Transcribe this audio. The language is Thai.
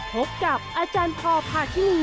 พบกับอาจารย์อธิภาทิ